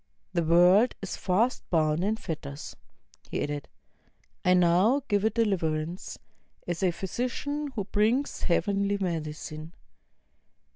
The world is fast bound in fetters," he added; "I now give it deliverance, as a physician who brings heavenly medicine.